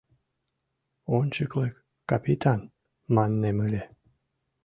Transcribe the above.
Ончыклык капитан, маннем ыле.